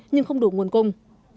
nhưng không đủ nguồn cung